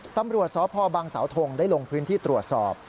ตำรวจสพบังเสาทงได้ลงพื้นที่ตรวจสอบ